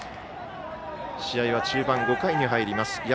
試合は中盤５回に入ります。